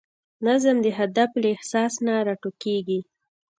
نظم د هدف له احساس نه راټوکېږي.